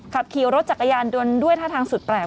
ขับขี่รถจักรยานยนต์ด้วยท่าทางสุดแปลก